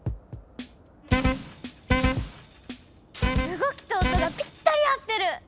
動きと音がぴったり合ってる！